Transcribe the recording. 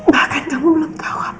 bahkan kamu belum tau apa apa